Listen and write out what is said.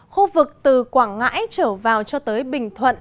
khu vực từ quảng ngãi trở vào cho tới bình thuận